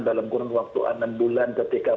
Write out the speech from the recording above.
dalam kurun waktu enam bulan ketika